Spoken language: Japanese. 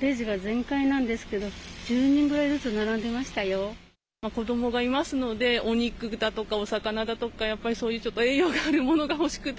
レジが全開なんですけど、子どもがいますので、お肉だとか、お魚だとか、やっぱりそういうちょっと栄養があるものが欲しくて。